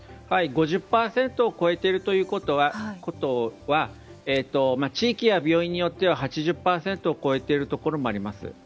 ５０％を超えているということは地域や病院によっては８０％を超えているところもあります。